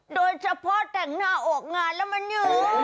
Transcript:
โดยเฉพาะแต่งหน้าออกงานแล้วมันอยู่